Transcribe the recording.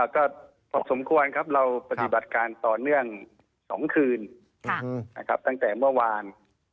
ก็พอสมควรครับเราปฏิบัติการต่อเนื่อง๒คืนตั้งแต่เมื่อวาน